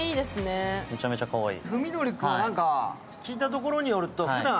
めちゃめちゃかわいい。